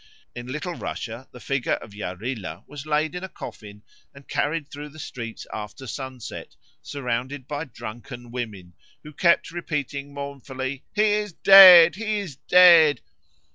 In Little Russia the figure of Yarilo was laid in a coffin and carried through the streets after sunset surrounded by drunken women, who kept repeating mournfully, "He is dead! he is dead!"